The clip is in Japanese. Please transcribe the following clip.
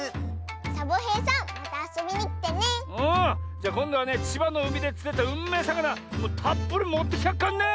じゃこんどはねちばのうみでつれたうんめえさかなたっぷりもってきてやっからね！